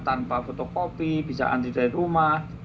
tanpa fotokopi bisa antri dari rumah